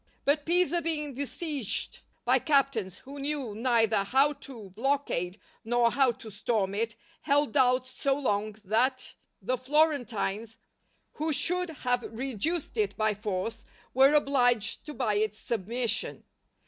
But Pisa being besieged by captains who knew neither how to blockade nor how to storm it, held out so long, that the Florentines, who should have reduced it by force, were obliged to buy its submission.